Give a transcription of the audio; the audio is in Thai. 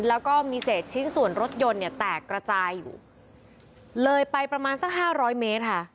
แล้วก็มีเศษชิ้นส่วนรถยนต์เนี่ยแตกระจายอยู่เลยไปประมาณสักห้าร้อยเมตรค่ะ